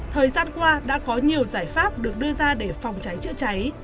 thời gian qua đã có nhiều giải pháp được đưa ra để phòng cháy chữa cháy